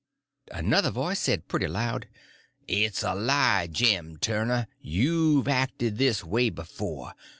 Another voice said, pretty loud: "It's a lie, Jim Turner. You've acted this way before.